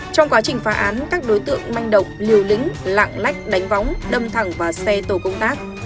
trong quá trình phá án các đối tượng manh động liều lính lạng lách đánh vóng đâm thẳng và xe tổ công tác